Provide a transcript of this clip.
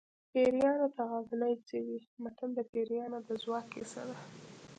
پیریانو ته غزني څه وي متل د پیریانو د ځواک کیسه ده